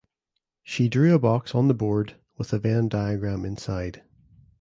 She drew a box on the board, with a Venn Diagram inside